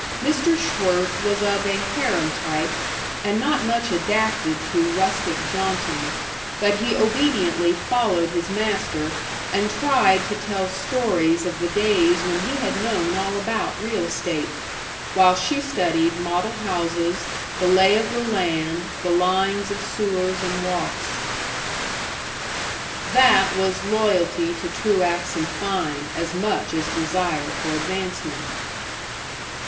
Mr. Schwirtz was of a harem type, and not much adapted to rustic jaunting, but he obediently followed his master and tried to tell stories of the days when he had known all about real estate, while she studied model houses, the lay of the land, the lines of sewers and walks. That was loyalty to Truax & Fein as much as desire for advancement.